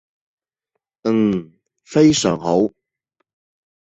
嗯，非常好